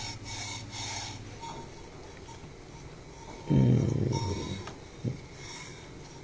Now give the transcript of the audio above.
うん。